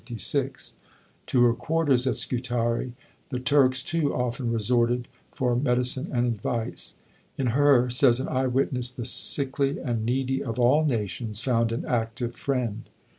To her quarters at Scutari, the Turks, too, often resorted for medicine and advice. In her, says an eye witness, the sickly and needy of all nations found an active friend.